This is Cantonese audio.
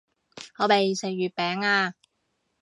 我未食月餅啊